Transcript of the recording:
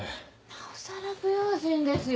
なおさら不用心ですよ。